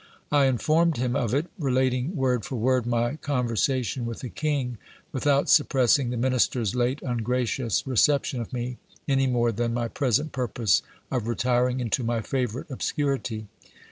I informed him of it ; relating word for word my conversation with the king, without suppressing the minister's late ungracious reception of me, any more than my present purpose of retiring into my favourite obscurity.